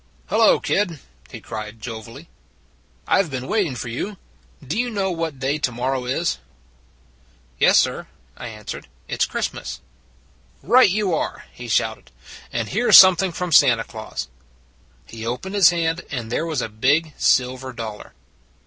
" Hello, kid," he cried jovially. " I Ve been waiting for you. Do you know what day to morrow is? "" Yes, sir," I answered. " It s Christ mas." " Right you are," he shouted. " And here s something from Santa Claus." He opened his hand, and there was a big silver dollar.